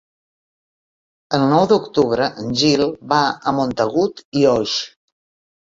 El nou d'octubre en Gil va a Montagut i Oix.